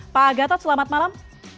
pak gatot selamat malam